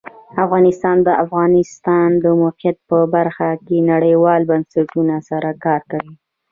افغانستان د د افغانستان د موقعیت په برخه کې نړیوالو بنسټونو سره کار کوي.